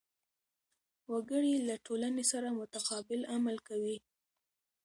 وګړي له ټولنې سره متقابل عمل کوي.